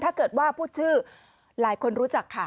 ถ้าเกิดว่าพูดชื่อหลายคนรู้จักค่ะ